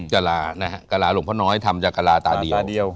กะลานะฮะกะลาหลวงพ่อน้อยทำจากกะลาตาเดียว